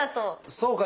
そうか！